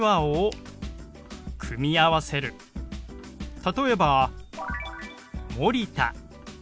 例えば「森田」。